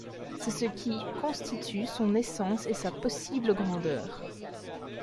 C’est ce qui constitue son essence et sa possible grandeur.